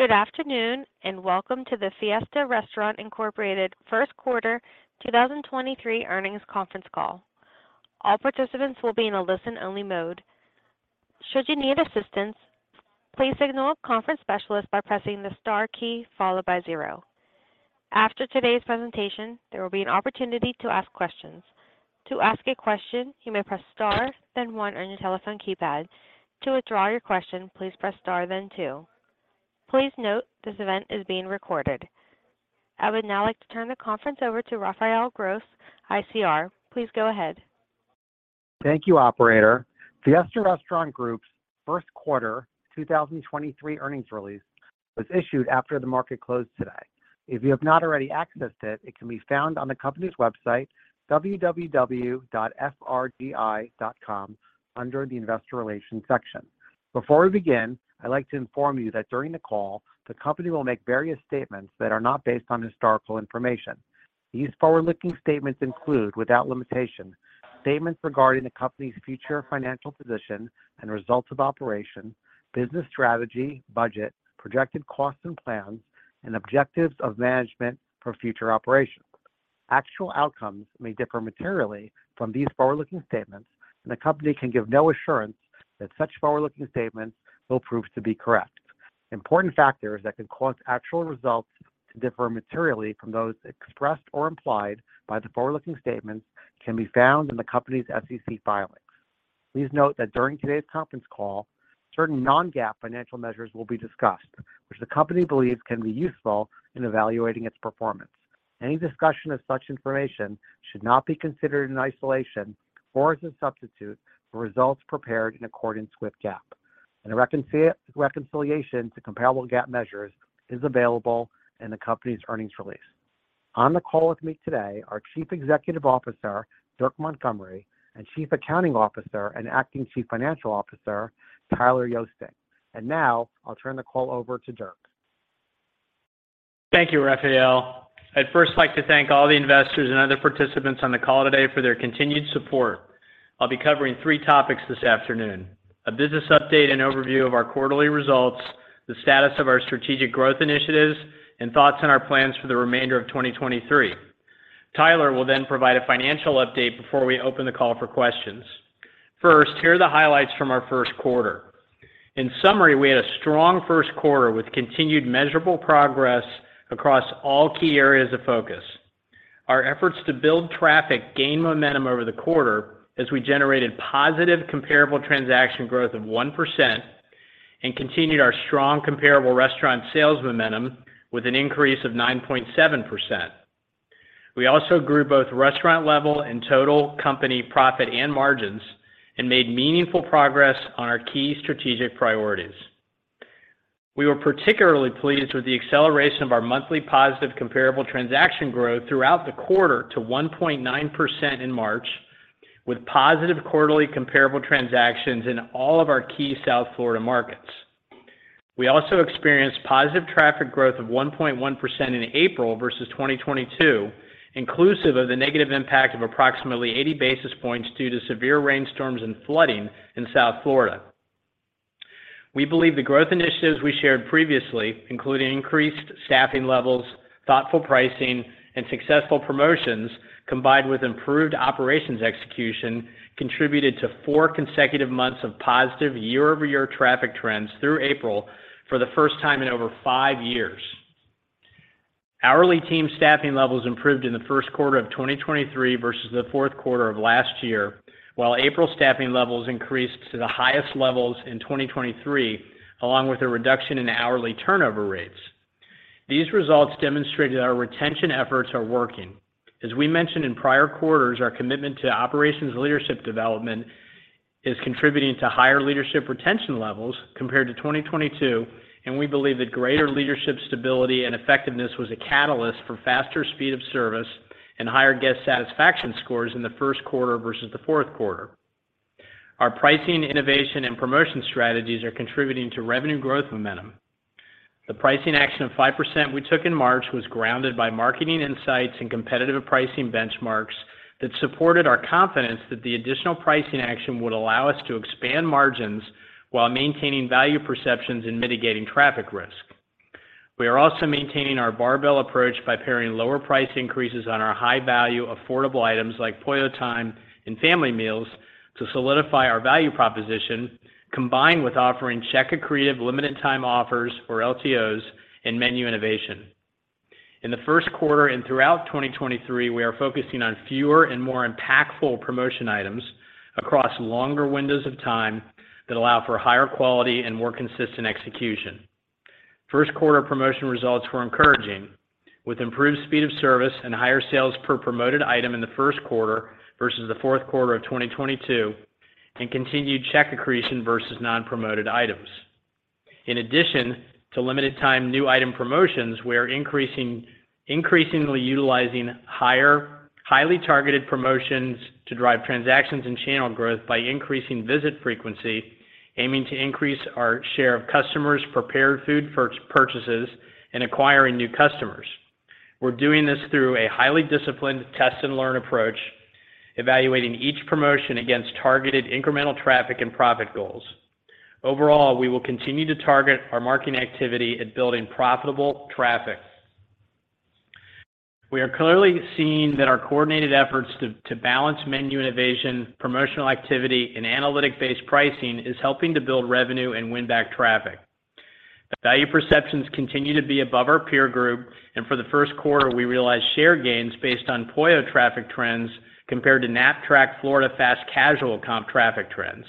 Good afternoon, welcome to the Fiesta Restaurant Group Incorporated first quarter 2023 earnings conference call. All participants will be in a listen-only mode. Should you need assistance, please signal a conference specialist by pressing the Star key followed by zero. After today's presentation, there will be an opportunity to ask questions. To ask a question, you may press Star then one on your telephone keypad. To withdraw your question, please press Star then two. Please note this event is being recorded. I would now like to turn the conference over to Raphael Gross, ICR. Please go ahead. Thank you, operator. Fiesta Restaurant Group's first quarter 2023 earnings release was issued after the market closed today. If you have not already accessed it can be found on the company's website www.frgi.com under the Investor Relations section. Before we begin, I'd like to inform you that during the call, the company will make various statements that are not based on historical information. These forward-looking statements include, without limitation, statements regarding the company's future financial position and results of operation, business strategy, budget, projected costs and plans, and objectives of management for future operations. Actual outcomes may differ materially from these forward-looking statements, and the company can give no assurance that such forward-looking statements will prove to be correct. Important factors that could cause actual results to differ materially from those expressed or implied by the forward-looking statements can be found in the company's SEC filings. Please note that during today's conference call, certain non-GAAP financial measures will be discussed, which the company believes can be useful in evaluating its performance. Any discussion of such information should not be considered in isolation or as a substitute for results prepared in accordance with GAAP. A reconciliation to comparable GAAP measures is available in the company's earnings release. On the call with me today are Chief Executive Officer, Dirk Montgomery, and Chief Accounting Officer and Acting Chief Financial Officer, Tyler Yoesting. Now I'll turn the call over to Dirk. Thank you, Raphael. I'd first like to thank all the investors and other participants on the call today for their continued support. I'll be covering three topics this afternoon: a business update and overview of our quarterly results, the status of our strategic growth initiatives, and thoughts on our plans for the remainder of 2023. Tyler will provide a financial update before we open the call for questions. First, here are the highlights from our first quarter. In summary, we had a strong first quarter with continued measurable progress across all key areas of focus. Our efforts to build traffic gained momentum over the quarter as we generated positive comparable transaction growth of 1% and continued our strong comparable restaurant sales momentum with an increase of 9.7%. We also grew both restaurant level and total company profit and margins and made meaningful progress on our key strategic priorities. We were particularly pleased with the acceleration of our monthly positive comparable transaction growth throughout the quarter to 1.9% in March, with positive quarterly comparable transactions in all of our key South Florida markets. We also experienced positive traffic growth of 1.1% in April versus 2022, inclusive of the negative impact of approximately 80 basis points due to severe rainstorms and flooding in South Florida. We believe the growth initiatives we shared previously, including increased staffing levels, thoughtful pricing, and successful promotions, combined with improved operations execution, contributed to four consecutive months of positive year-over-year traffic trends through April for the first time in over five years. Hourly team staffing levels improved in the 1st quarter of 2023 versus the 4th quarter of last year, while April staffing levels increased to the highest levels in 2023, along with a reduction in hourly turnover rates. These results demonstrated our retention efforts are working. As we mentioned in prior quarters, our commitment to operations leadership development is contributing to higher leadership retention levels compared to 2022, and we believe that greater leadership stability and effectiveness was a catalyst for faster speed of service and higher guest satisfaction scores in the 1st quarter versus the 4th quarter. Our pricing, innovation, and promotion strategies are contributing to revenue growth momentum. The pricing action of 5% we took in March was grounded by marketing insights and competitive pricing benchmarks that supported our confidence that the additional pricing action would allow us to expand margins while maintaining value perceptions and mitigating traffic risk. We are also maintaining our barbell approach by pairing lower price increases on our high-value, affordable items like Pollo Time and family meals to solidify our value proposition, combined with offering check accretive limited time offers or LTOs and menu innovation. In the first quarter and throughout 2023, we are focusing on fewer and more impactful promotion items across longer windows of time that allow for higher quality and more consistent execution. First quarter promotion results were encouraging, with improved speed of service and higher sales per promoted item in the first quarter versus the fourth quarter of 2022 and continued check accretion versus non-promoted items. In addition to limited time new item promotions, we are increasingly utilizing highly targeted promotions to drive transactions and channel growth by increasing visit frequency, aiming to increase our share of customers prepared food purchases and acquiring new customers. We're doing this through a highly disciplined test and learn approach, evaluating each promotion against targeted incremental traffic and profit goals. Overall, we will continue to target our marketing activity at building profitable traffic. We are clearly seeing that our coordinated efforts to balance menu innovation, promotional activity, and analytic-based pricing is helping to build revenue and win back traffic. The value perceptions continue to be above our peer group, and for the first quarter, we realized share gains based on Pollo traffic trends compared to Knapp-Track Florida Fast Casual comp traffic trends.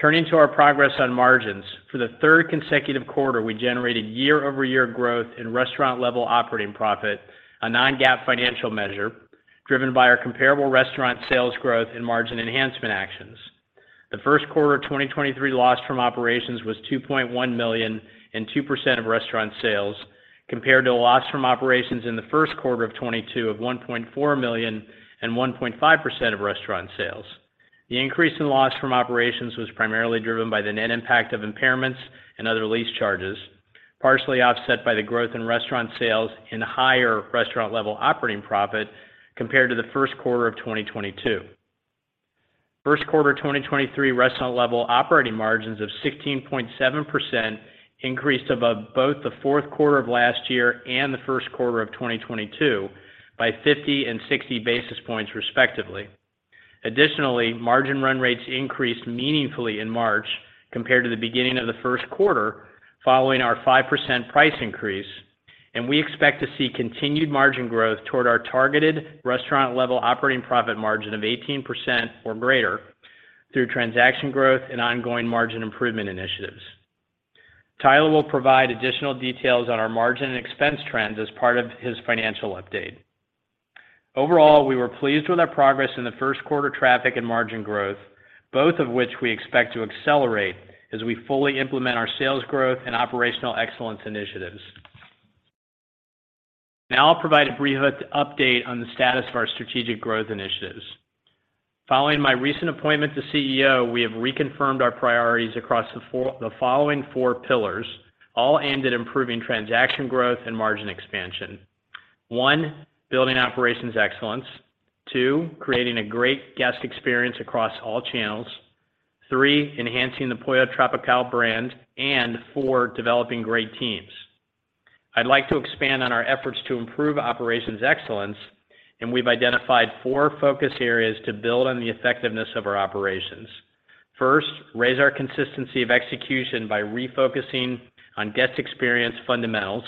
Turning to our progress on margins. For the 3rd consecutive quarter, we generated year-over-year growth in restaurant level operating profit, a non-GAAP financial measure driven by our comparable restaurant sales growth and margin enhancement actions. The first quarter of 2023 loss from operations was $2.1 million and 2% of restaurant sales, compared to a loss from operations in the first quarter of 2022 of $1.4 million and 1.5% of restaurant sales. The increase in loss from operations was primarily driven by the net impact of impairments and other lease charges, partially offset by the growth in restaurant sales and higher restaurant level operating profit compared to the first quarter of 2022. First quarter of 2023 restaurant level operating margins of 16.7% increased above both the fourth quarter of last year and the first quarter of 2022 by 50 and 60 basis points, respectively. Margin run rates increased meaningfully in March compared to the beginning of the first quarter following our 5% price increase, and we expect to see continued margin growth toward our targeted restaurant level operating profit margin of 18% or greater through transaction growth and ongoing margin improvement initiatives. Tyler will provide additional details on our margin and expense trends as part of his financial update. We were pleased with our progress in the first quarter traffic and margin growth, both of which we expect to accelerate as we fully implement our sales growth and operational excellence initiatives. Now I'll provide a brief update on the status of our strategic growth initiatives. Following my recent appointment to CEO, we have reconfirmed our priorities across the following four pillars, all aimed at improving transaction growth and margin expansion. One, building operations excellence. Two, creating a great guest experience across all channels. Three, enhancing the Pollo Tropical brand. Four, developing great teams. I'd like to expand on our efforts to improve operations excellence. We've identified four focus areas to build on the effectiveness of our operations. First, raise our consistency of execution by refocusing on guest experience fundamentals.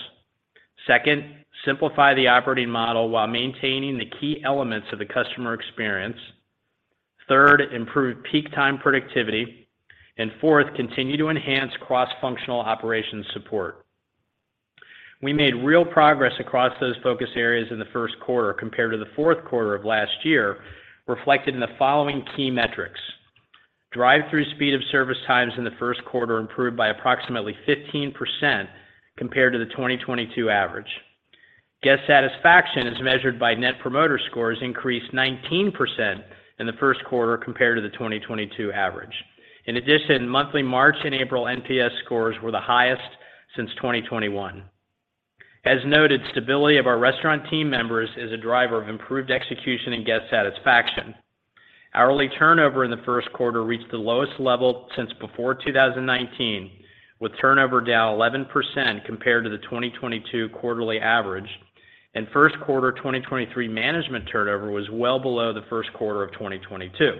Second, simplify the operating model while maintaining the key elements of the customer experience. Third, improve peak time productivity. Fourth, continue to enhance cross-functional operations support. We made real progress across those focus areas in the first quarter compared to the fourth quarter of last year, reflected in the following key metrics. Drive-through speed of service times in the first quarter improved by approximately 15% compared to the 2022 average. Guest satisfaction, as measured by Net Promoter Scores, increased 19% in the first quarter compared to the 2022 average. Monthly March and April NPS scores were the highest since 2021. As noted, stability of our restaurant team members is a driver of improved execution and guest satisfaction. Hourly turnover in the first quarter reached the lowest level since before 2019, with turnover down 11% compared to the 2022 quarterly average. First quarter 2023 management turnover was well below the first quarter of 2022.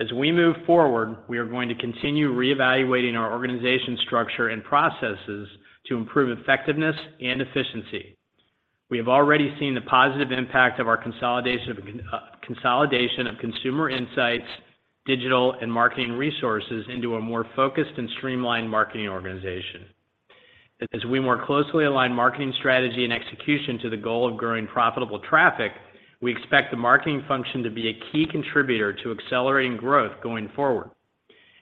As we move forward, we are going to continue reevaluating our organization structure and processes to improve effectiveness and efficiency. We have already seen the positive impact of our consolidation of consumer insights, digital, and marketing resources into a more focused and streamlined marketing organization. As we more closely align marketing strategy and execution to the goal of growing profitable traffic, we expect the marketing function to be a key contributor to accelerating growth going forward.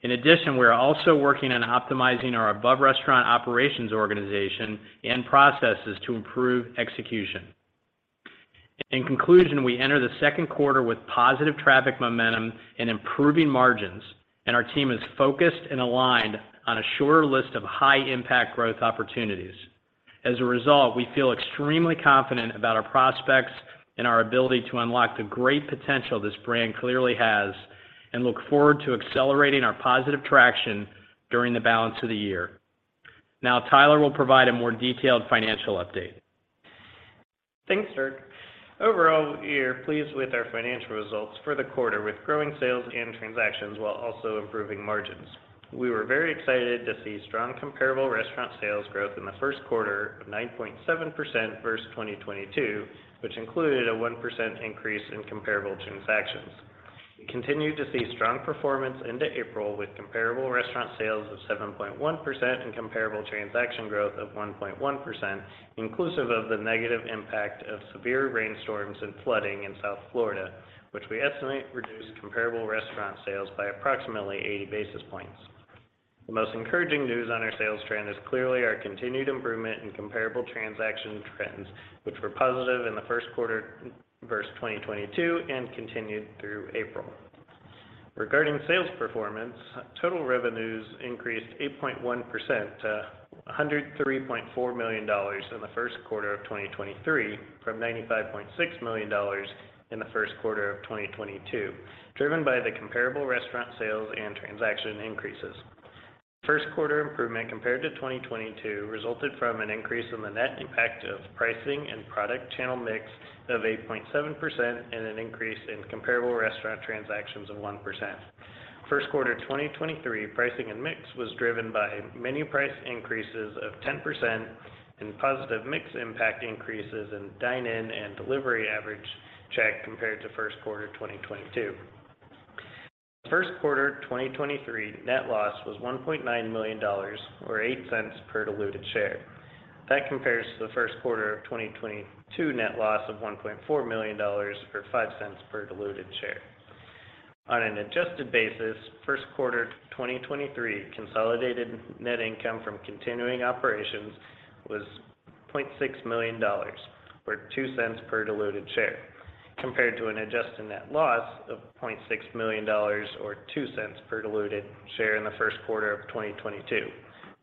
In addition, we are also working on optimizing our above-restaurant operations organization and processes to improve execution. In conclusion, we enter the second quarter with positive traffic momentum and improving margins, and our team is focused and aligned on a shorter list of high-impact growth opportunities. As a result, we feel extremely confident about our prospects and our ability to unlock the great potential this brand clearly has, and look forward to accelerating our positive traction during the balance of the year. Now Tyler will provide a more detailed financial update. Thanks, Dirk. Overall, we are pleased with our financial results for the quarter with growing sales and transactions while also improving margins. We were very excited to see strong comparable restaurant sales growth in the first quarter of 9.7% versus 2022, which included a 1% increase in comparable transactions. We continued to see strong performance into April with comparable restaurant sales of 7.1% and comparable transaction growth of 1.1%, inclusive of the negative impact of severe rainstorms and flooding in South Florida, which we estimate reduced comparable restaurant sales by approximately 80 basis points. The most encouraging news on our sales trend is clearly our continued improvement in comparable transaction trends, which were positive in the first quarter versus 2022 and continued through April.Regarding sales performance, total revenues increased 8.1% to $103.4 million in the first quarter of 2023, from $95.6 million in the first quarter of 2022, driven by the comparable restaurant sales and transaction increases. First quarter improvement compared to 2022 resulted from an increase in the net impact of pricing and product channel mix of 8.7% and an increase in comparable restaurant transactions of 1%. First quarter of 2023, pricing and mix was driven by menu price increases of 10% and positive mix impact increases in dine-in and delivery average check compared to first quarter of 2022. First quarter of 2023 net loss was $1.9 million or $0.08 per diluted share. That compares to the First quarter of 2022 net loss of $1.4 million or $0.05 per diluted share. On an adjusted basis, First quarter of 2023 consolidated net income from continuing operations was $0.6 million or $0.02 per diluted share, compared to an adjusted net loss of $0.6 million or $0.02 per diluted share in the First quarter of 2022.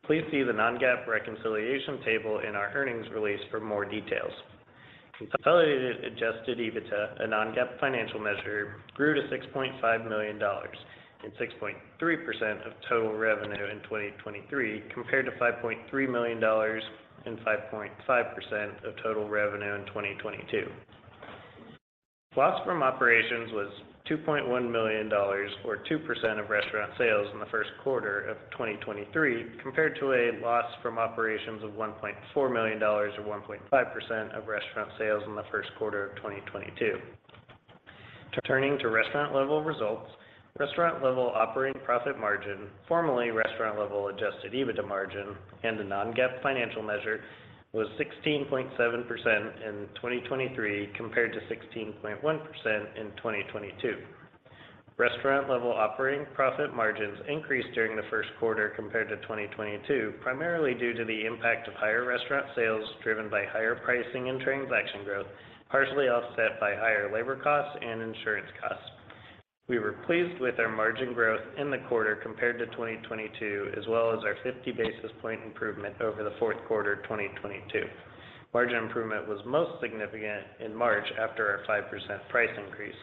Please see the non-GAAP reconciliation table in our earnings release for more details. Consolidated adjusted EBITDA, a non-GAAP financial measure, grew to $6.5 million and 6.3% of total revenue in 2023, compared to $5.3 million and 5.5% of total revenue in 2022. Loss from operations was $2.1 million or 2% of restaurant sales in the first quarter of 2023, compared to a loss from operations of $1.4 million or 1.5% of restaurant sales in the first quarter of 2022. Turning to restaurant level results. Restaurant level operating profit margin, formerly restaurant level adjusted EBITDA margin, and the non-GAAP financial measure was 16.7% in 2023 compared to 16.1% in 2022. Restaurant level operating profit margins increased during the first quarter compared to 2022, primarily due to the impact of higher restaurant sales driven by higher pricing and transaction growth, partially offset by higher labor costs and insurance costs. We were pleased with our margin growth in the quarter compared to 2022, as well as our 50 basis point improvement over the fourth quarter of 2022. Margin improvement was most significant in March after our 5% price increase.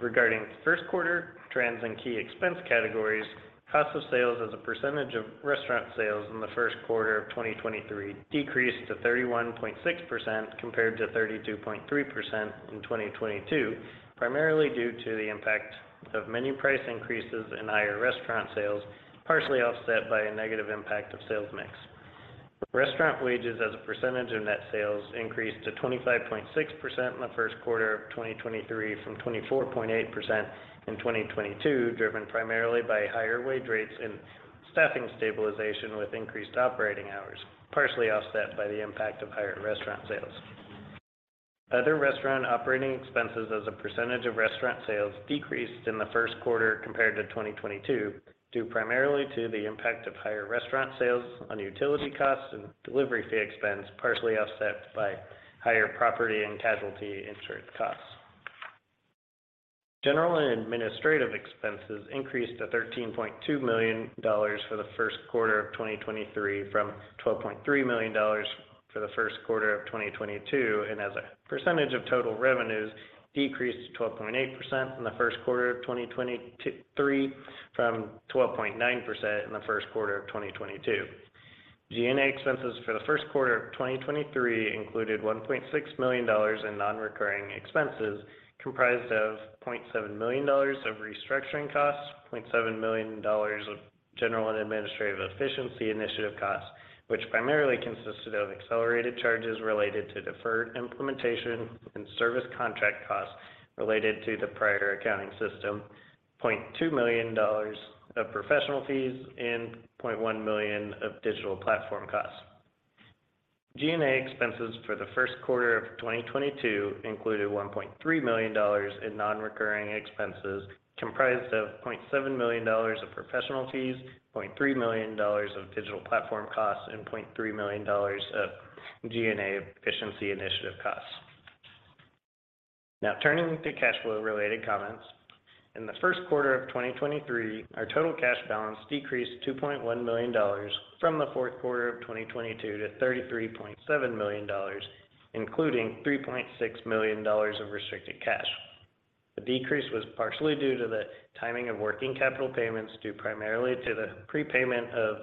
Regarding first quarter trends in key expense categories, cost of sales as a percentage of restaurant sales in the first quarter of 2023 decreased to 31.6% compared to 32.3% in 2022, primarily due to the impact of menu price increases in higher restaurant sales, partially offset by a negative impact of sales mix. Restaurant wages as a percentage of net sales increased to 25.6% in the first quarter of 2023 from 24.8% in 2022, driven primarily by higher wage rates and staffing stabilization with increased operating hours, partially offset by the impact of higher restaurant sales. Other restaurant operating expenses as a percentage of restaurant sales decreased in the first quarter compared to 2022, due primarily to the impact of higher restaurant sales on utility costs and delivery fee expense, partially offset by higher property and casualty insurance costs. General and administrative expenses increased to $13.2 million for the first quarter of 2023 from $12.3 million for the first quarter of 2022, and as a percentage of total revenues decreased to 12.8% in the first quarter of 2023 from 12.9% in the first quarter of 2022. G&A expenses for the first quarter of 2023 included $1.6 million in non-recurring expenses, comprised of $0.7 million of restructuring costs, $0.7 million of general and administrative efficiency initiative costs, which primarily consisted of accelerated charges related to deferred implementation and service contract costs related to the prior accounting system, $0.2 million of professional fees, and $0.1 million of digital platform costs. G&A expenses for the first quarter of 2022 included $1.3 million in non-recurring expenses, comprised of $0.7 million of professional fees, $0.3 million of digital platform costs, and $0.3 million of G&A efficiency initiative costs. Turning to cash flow related comments. In the first quarter of 2023, our total cash balance decreased to $0.1 million from the fourth quarter of 2022 to $33.7 million, including $3.6 million of restricted cash. The decrease was partially due to the timing of working capital payments due primarily to the prepayment of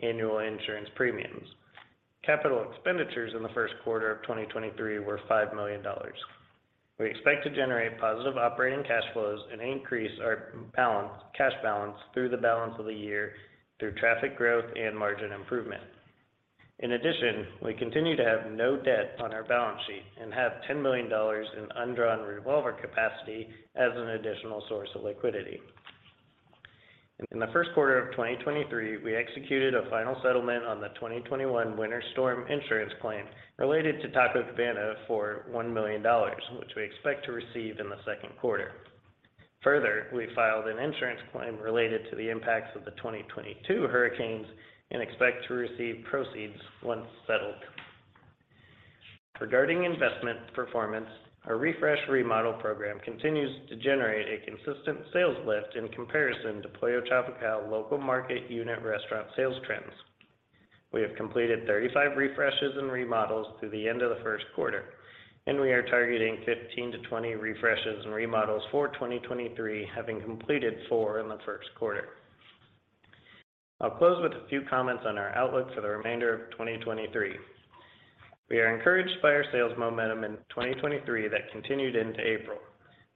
annual insurance premiums. Capital expenditures in the first quarter of 2023 were $5 million. We expect to generate positive operating cash flows and increase our balance, cash balance through the balance of the year through traffic growth and margin improvement. We continue to have no debt on our balance sheet and have $10 million in undrawn revolver capacity as an additional source of liquidity. In the first quarter of 2023, we executed a final settlement on the 2021 winter storm insurance claim related to Taco Cabana for $1 million, which we expect to receive in the second quarter. We filed an insurance claim related to the impacts of the 2022 hurricanes and expect to receive proceeds once settled. Regarding investment performance, our refresh remodel program continues to generate a consistent sales lift in comparison to Pollo Tropical local market unit restaurant sales trends. We have completed 35 refreshes and remodels through the end of the first quarter. We are targeting 15-20 refreshes and remodels for 2023, having completed four in the first quarter. I'll close with a few comments on our outlook for the remainder of 2023. We are encouraged by our sales momentum in 2023 that continued into April.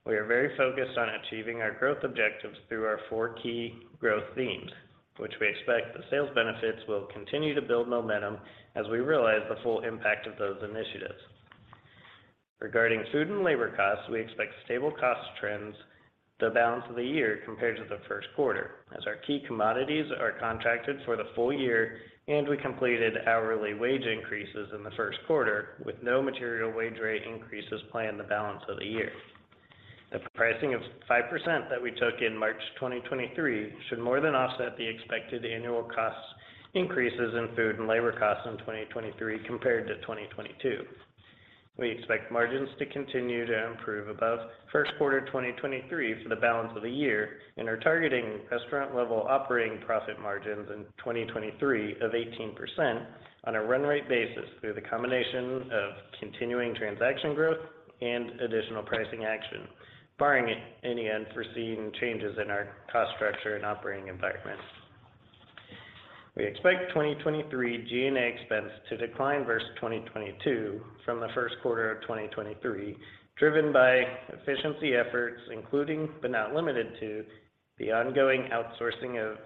We are very focused on achieving our growth objectives through our four key growth themes, which we expect the sales benefits will continue to build momentum as we realize the full impact of those initiatives. Regarding food and labor costs, we expect stable cost trends the balance of the year compared to the first quarter as our key commodities are contracted for the full year. We completed hourly wage increases in the first quarter with no material wage rate increases planned the balance of the year. The pricing of 5% that we took in March 2023 should more than offset the expected annual cost increases in food and labor costs in 2023 compared to 2022. We expect margins to continue to improve above first quarter 2023 for the balance of the year and are targeting restaurant level operating profit margins in 2023 of 18% on a run rate basis through the combination of continuing transaction growth and additional pricing action, barring any unforeseen changes in our cost structure and operating environment. We expect 2023 G&A expense to decline versus 2022 from the first quarter of 2023, driven by efficiency efforts, including, but not limited to, the ongoing outsourcing of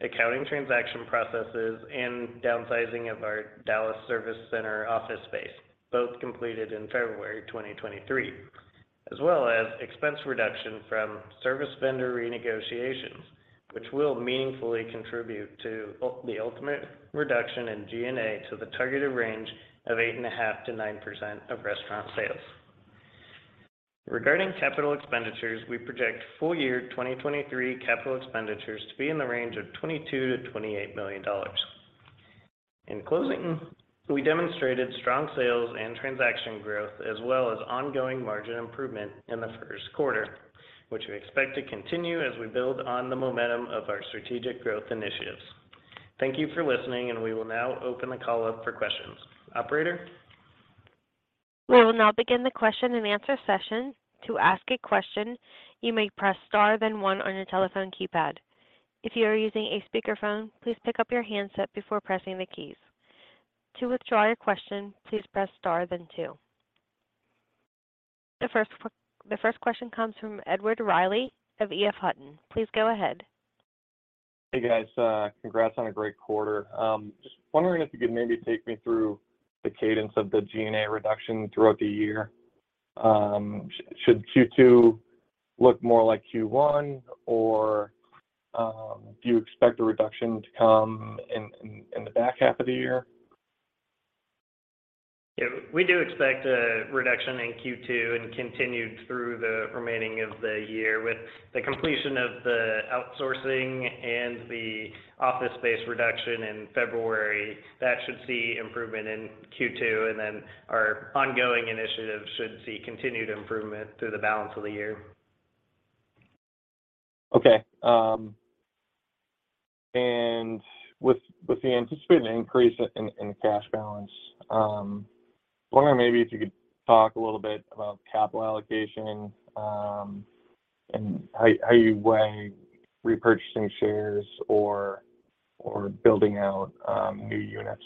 accounting transaction processes and downsizing of our Dallas service center office space, both completed in February 2023, as well as expense reduction from service vendor renegotiations, which will meaningfully contribute to the ultimate reduction in G&A to the targeted range of 8.5%-9% of restaurant sales. Regarding capital expenditures, we project full year 2023 capital expenditures to be in the range of $22 million-$28 million. In closing, we demonstrated strong sales and transaction growth as well as ongoing margin improvement in the first quarter, which we expect to continue as we build on the momentum of our strategic growth initiatives. Thank you for listening. We will now open the call up for questions. Operator? We will now begin the question and answer session. To ask a question, you may press Star then one on your telephone keypad. If you are using a speakerphone, please pick up your handset before pressing the keys. To withdraw your question, please press Star then two. The first question comes from Edward Reilly of EF Hutton. Please go ahead. Hey, guys. congrats on a great quarter. just wondering if you could maybe take me through the cadence of the G&A reduction throughout the year. should Q2 look more like Q1 or, do you expect a reduction to come in the back half of the year? Yeah. We do expect a reduction in Q2 and continued through the remaining of the year. With the completion of the outsourcing and the office space reduction in February, that should see improvement in Q2, and then our ongoing initiatives should see continued improvement through the balance of the year. Okay. With the anticipated increase in cash balance, wondering maybe if you could talk a little bit about capital allocation, and how are you weighing repurchasing shares or building out, new units?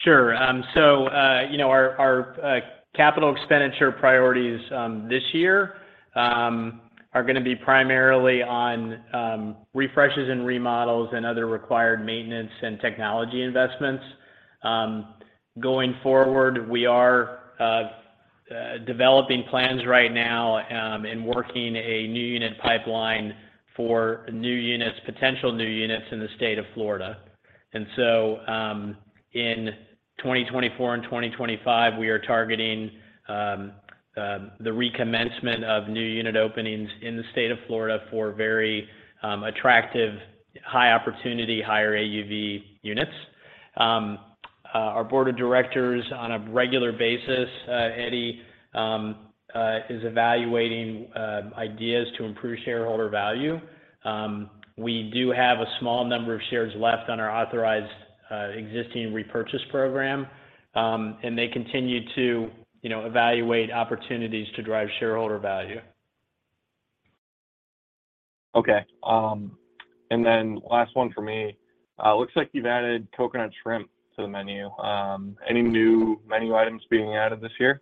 Sure. You know, our capital expenditure priorities this year are gonna be primarily on refreshes and remodels and other required maintenance and technology investments. Going forward, we are developing plans right now and working a new unit pipeline for new units, potential new units in the state of Florida. In 2024 and 2025, we are targeting the recommencement of new unit openings in the state of Florida for very attractive high opportunity, higher AUV units. Our board of directors on a regular basis, Eddie, is evaluating ideas to improve shareholder value. We do have a small number of shares left on our authorized existing repurchase program. They continue to, you know, evaluate opportunities to drive shareholder value. Okay. Last one for me. Looks like you've added Coconut Shrimp to the menu. Any new menu items being added this year?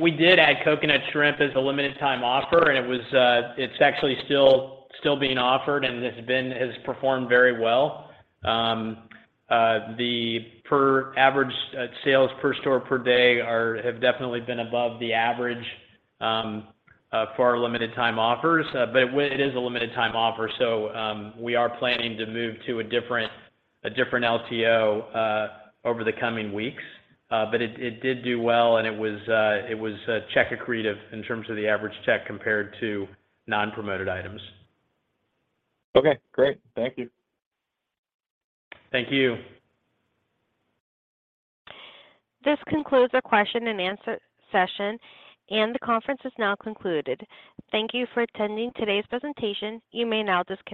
We did add Coconut Shrimp as a Limited Time Offer. It was, it's actually still being offered, and it has performed very well. The per average, sales per store per day have definitely been above the average, for our Limited Time Offers. It is a Limited Time Offer, so, we are planning to move to a different LTO, over the coming weeks. It did do well, and it was check accretive in terms of the average check compared to non-promoted items. Okay, great. Thank you. Thank you. This concludes our question and answer session, and the conference is now concluded. Thank you for attending today's presentation. You may now disconnect.